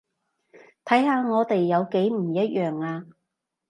睇下我哋有幾唔一樣呀